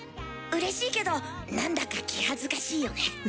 うれしいけどなんだか気恥ずかしいよね。